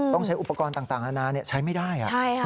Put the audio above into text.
ต้องใช้อุปกรณ์ต่างอาณาใช้ไม่ได้